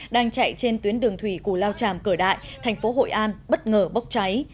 đang chạy trên tuyến đường thủy cù lao tràm cỡ đại thành phố hội an bất ngờ bốc cháy